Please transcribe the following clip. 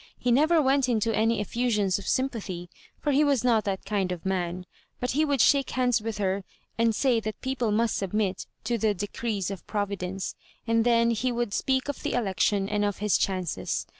He never went into any efiUsions of sympathy, for he was not that kind of man; but he would shake hands with her, and say that people must submit to the decrees of Providence ; and then he would speak of the election and of his chances.